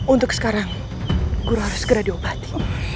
untuk sekarang guru harus segera diobati